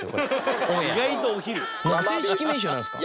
正式名称なんですか？